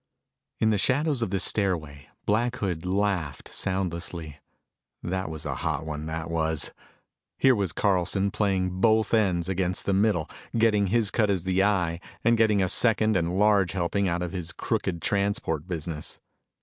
In the shadows of the stairway, Black Hood laughed soundlessly. That was a hot one, that was! Here was Carlson, playing both ends against the middle, getting his cut as the Eye and getting a second and large helping out of his crooked transport business.